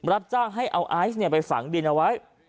รับจ้างให้เอาไอซ์ไปฝังดินเอาไว้